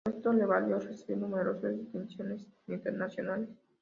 Esto le valió recibir numerosas distinciones internacionales.